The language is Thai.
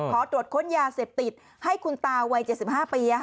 ขอตรวจค้นยาเสพติดให้คุณตาวัย๗๕ปี